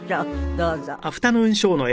どうぞ。